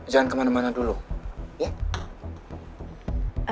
jangan kemana mana dulu